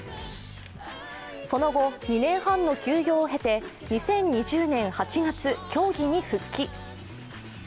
その後、２年半の休養を経て２０２０年８月、競技に復帰。